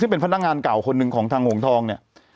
ซึ่งเป็นพนักงานเก่าคนหนึ่งของทางหงทองเนี่ย